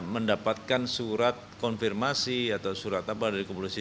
mendapatkan surat konfirmasi atau surat apa dari kepolisian